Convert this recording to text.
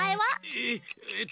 えっえっと